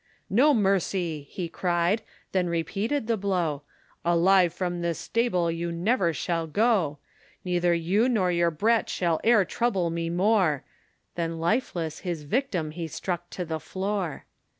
No mercy, he cried, then repeated the blow, Alive from this stable you never shall go, Neither you nor your brat shall e'er trouble me more, Then lifeless his victim he struck to the floor.